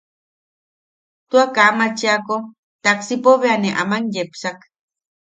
Tua kaa mamachiako taxipo bea ne aman yepsak.